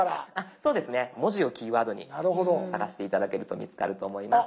そうですね「文字」をキーワードに探して頂けると見つかると思います。